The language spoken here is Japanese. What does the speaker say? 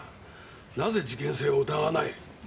なぜ事件性を疑わない！？